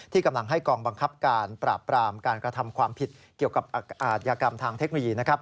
กำลังให้กองบังคับการปราบปรามการกระทำความผิดเกี่ยวกับอาชญากรรมทางเทคโนโลยี